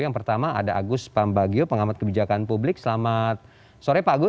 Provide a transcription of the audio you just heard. yang pertama ada agus pambagio pengamat kebijakan publik selamat sore pak agus